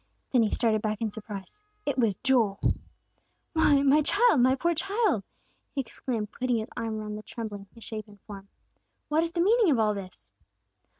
Then he started back in surprise. It was Joel! "Why, my child! My poor child!" he exclaimed, putting his arm around the trembling, misshapen form. "What is the meaning of all this?"